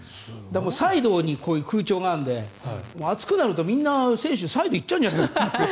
サイドにこういう空調があるので暑くなるとみんな、選手サイドに行っちゃうんじゃないかと。